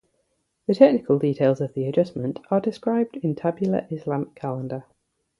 The technical details of the adjustment are described in Tabular Islamic calendar.